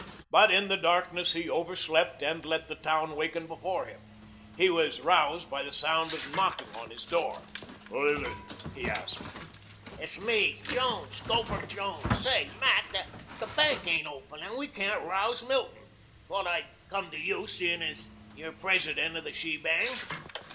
But in the darkness he overslept and let the town waken before him. He was roused by the sound of knocking on his door. "Who is it?" he asked. "It's me Jones Gopher Jones. Say, Mac, the bank ain't open and we can't rouse Milton. Thought I'd come to you, seeing as you're president of the shebang."